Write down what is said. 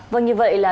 vâng như vậy là